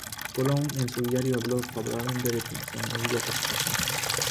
Colón, en su diario, habló favorablemente de Pinzón en diversas ocasiones.